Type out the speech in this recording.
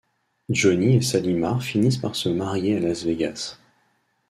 Johnny et Shalimar finissent par se marier à Las Vegas.